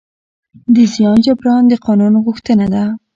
د زیان جبران د قانون غوښتنه ده.